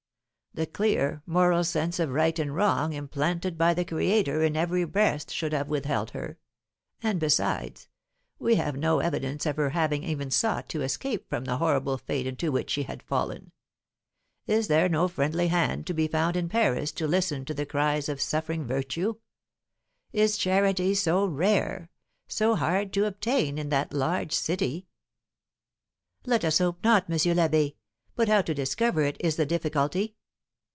"The clear, moral sense of right and wrong implanted by the Creator in every breast should have withheld her; and, besides, we have no evidence of her having even sought to escape from the horrible fate into which she had fallen. Is there no friendly hand to be found in Paris to listen to the cries of suffering virtue? Is charity so rare, so hard to obtain in that large city?" "Let us hope not, M. l'Abbé; but how to discover it is the difficulty.